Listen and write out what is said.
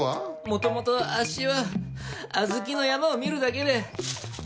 元々あっしは小豆の山を見るだけで。